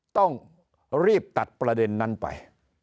ต้องรีบตัดประเด็นนั้นไป